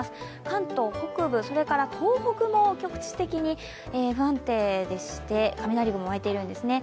関東北部、それから東北も局地的に不安定でして、雷雲が湧いているんですね。